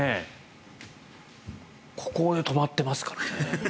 ここで止まってますからね。